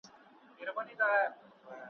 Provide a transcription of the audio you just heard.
د ښوونځي له هلکانو همزولانو څخه ,